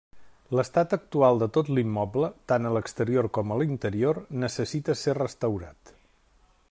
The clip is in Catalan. L'estat actual de tot l'immoble, tant a l'exterior com a l'interior, necessita ser restaurat.